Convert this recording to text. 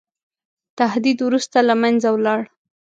تهدید وروسته له منځه ولاړ.